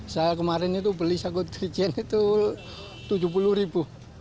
saya kemarin itu beli sagot tiga jen itu rp tujuh puluh